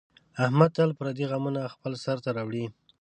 احمد تل پردي غمونه خپل سر ته راوړي.